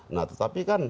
nah tetapi kan